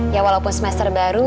ya walaupun semester baru